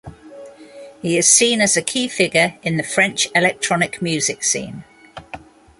He is seen as a key figure in the French electronic music scene.